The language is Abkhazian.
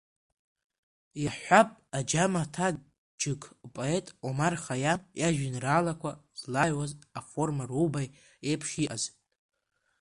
Иаҳҳәап аџьам-аҭадџьықь поет Омар Хаиам иажәеинраалақәа злааҩуаз аформа рубаи еиԥш иҟаз.